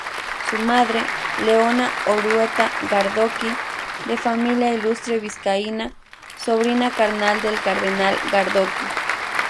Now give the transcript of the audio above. Su madre, Leona Orueta Gardoqui, de familia ilustre vizcaína, sobrina carnal del cardenal Gardoqui.